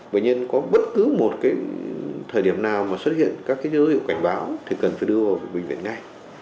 bệnh nhân có bất cứ một thời điểm nào mà xuất hiện các dấu hiệu cảnh báo thì cần phải đưa vào bệnh viện ngay